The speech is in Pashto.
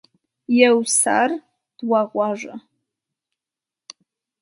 يو سر ،دوه غوږه.